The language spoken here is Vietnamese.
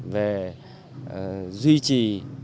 về duy trì